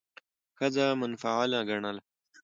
ښځه منفعله ګڼله،